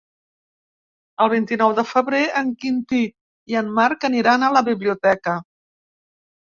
El vint-i-nou de febrer en Quintí i en Marc aniran a la biblioteca.